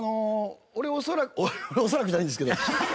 恐らくじゃないんですけど。